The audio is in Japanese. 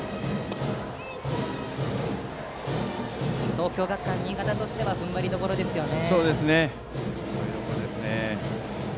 東京学館新潟としては踏ん張りどころですね。